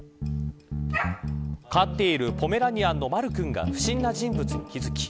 飼っているポメラニアンのマル君が不審な人物に気付き